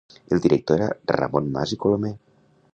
El director era Ramon Mas i Colomer.